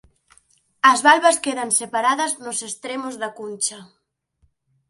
As valvas quedan separadas nos extremos da cuncha.